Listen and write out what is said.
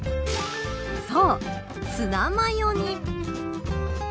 そう、ツナマヨに。